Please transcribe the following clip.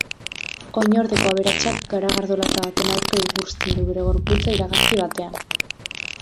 Oinordeko aberatsak garagardo lata baten aurka igurtzen du bere gorputza iragarki batean.